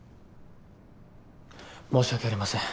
申し訳ありません。